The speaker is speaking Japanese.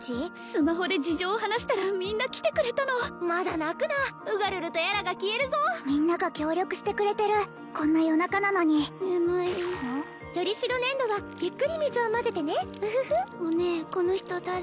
スマホで事情を話したらみんな来てくれたのまだ泣くなウガルルとやらが消えるぞみんなが協力してくれてるこんな夜中なのに眠いよりしろ粘土はゆっくり水を混ぜてねウフフお姉この人誰？